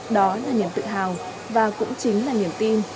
đó là niềm tự hào và cũng chính là niềm tin